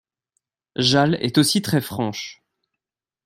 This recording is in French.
Jal est aussi très franche.